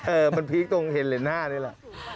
เออมันพีคตรงเหรียญ๕นี่ล่ะ